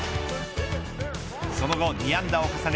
その後２安打を重ね